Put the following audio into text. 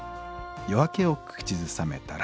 「夜明けをくちずさめたら」